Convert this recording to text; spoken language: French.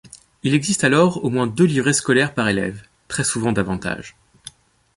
Il existe alors au moins deux livrets scolaires par élève, très souvent davantage.